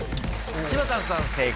柴田さん正解。